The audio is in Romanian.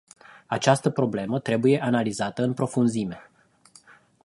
Această problemă trebuie analizată în profunzime.